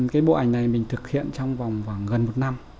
cái bộ ảnh này mình thực hiện trong vòng khoảng gần một năm